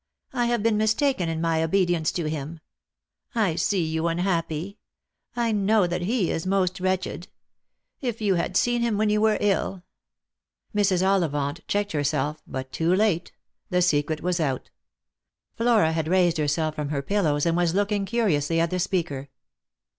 I have been mistaken in my obedience to him. I see you unhappy. I know that he is most wretched. If you had seen him when you were ill " Mrs. Ollivant checked herself, but too late. The secret was out. Flora had raised herself from her pillows and was looking curiously at the speaker.